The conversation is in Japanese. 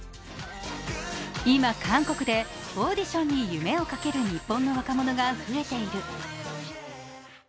今、韓国でオーディションに夢をかける日本の若者が増えている。